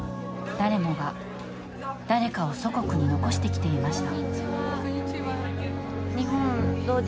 誰もが、誰かを祖国に残してきていました。